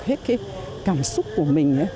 hết cái cảm xúc của mình